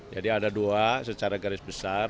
jadi ada dua secara garis besar